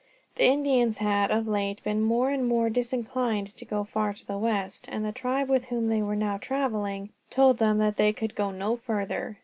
The Indians had of late been more and more disinclined to go far to the west, and the tribe with whom they were now traveling told them that they could go no farther.